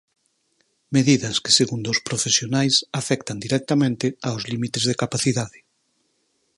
Medidas que segundo os profesionais afectan directamente aos límites de capacidade.